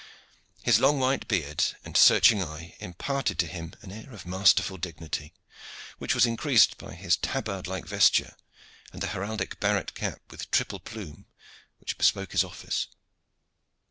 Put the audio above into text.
His long white beard and searching eyes imparted to him an air of masterful dignity, which was increased by his tabardlike vesture and the heraldic barret cap with triple plume which bespoke his office.